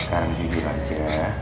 sekarang tidur aja